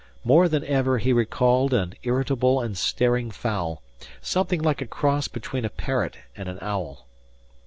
More than ever he recalled an irritable and staring fowl something like a cross between a parrot and an owl.